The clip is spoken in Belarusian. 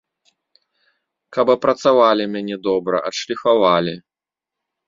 Каб апрацавалі мяне добра, адшліфавалі.